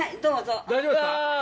大丈夫ですか。